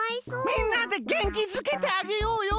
みんなでげんきづけてあげようよ。